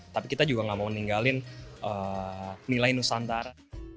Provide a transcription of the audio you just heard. tapi kita juga gak mau meninggalin nilai nusantara